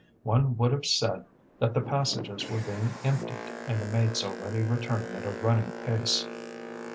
One would have said that the passages were being emptied and the mates already returning at a running pace.